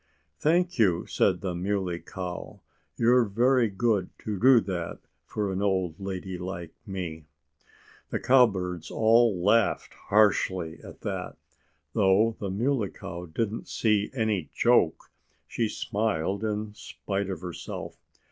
"Thank you!" said the Muley Cow. "You're very good to do that for an old lady like me." The cowbirds all laughed harshly at that. Though the Muley Cow didn't see any joke, she smiled in spite of herself.